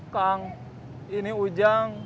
kang ini ujang